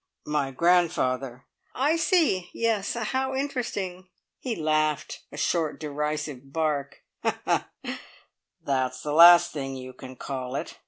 "My grandfather." "I see. Yes. How interesting." He laughed a short, derisive bark. "That's the last thing you can call it!